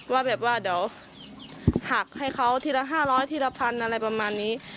ว่าแบบว่าเดี๋ยวหักให้เขาทีละ๕๐๐ทีละพันอะไรประมาณนี้